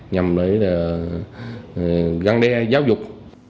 nhằm găng đe giáo dục